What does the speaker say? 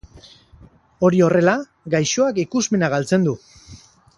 Hori horrela, gaixoak ikusmena galtzen du.